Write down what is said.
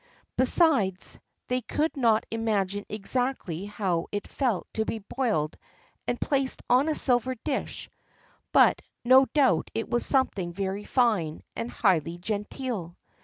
Besides, they could not imagine exactly how it felt to be boiled and placed on a silver dish; but no doubt it was something very fine and highly genteel.